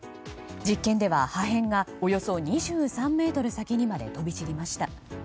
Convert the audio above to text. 実験では破片がおよそ２３ｍ先にまで飛び散りました。